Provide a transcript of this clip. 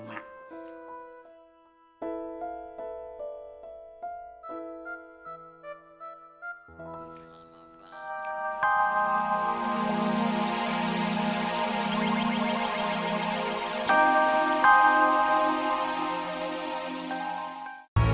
maka ayokah aku ini terangkan